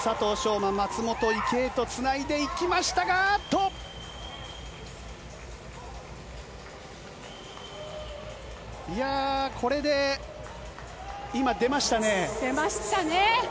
馬、松元と池江につないでいきましたがこれで出ましたね。